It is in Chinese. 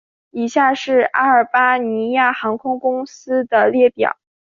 以下是阿尔巴尼亚航空公司的列表